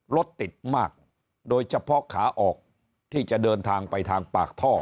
รถติดมากโดยเฉพาะขาออกที่จะเดินทางไปทางปากท่อ